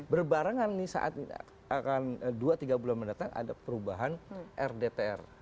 berbarengan nih saat akan dua tiga bulan mendatang ada perubahan rdtr